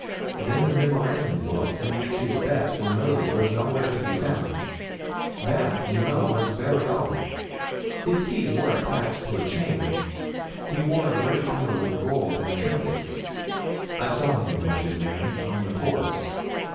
Then the memorandum book in which his bets were noted was nowhere to be found. That, you know, was very odd. His keys were there attached to a chain. He wore a great deal of gold and trinkets. I saw him, wretched man, on the course.